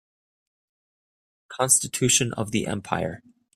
Constitution of the empire.